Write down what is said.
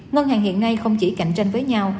ngân hàng hiện nay không chỉ cạnh tranh với nhau